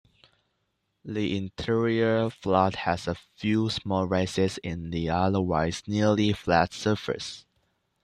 The interior flood has a few small rises in the otherwise nearly flat surface.